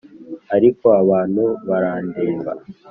ariko abantu barandeba,